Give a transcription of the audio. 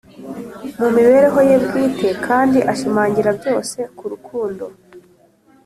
mu mibereho ye bwite kandi ashimangira byose ku rukundo,